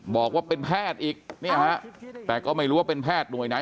บอกว่าเป็นแพทย์อีกเนี่ยฮะแต่ก็ไม่รู้ว่าเป็นแพทย์หน่วยไหน